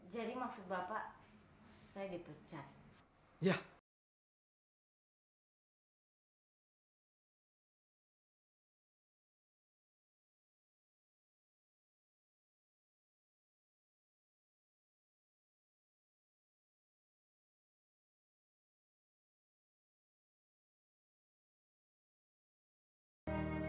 jadi maksud bapak saya dipecat